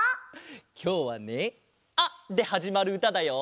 きょうはね「あ」ではじまるうただよ！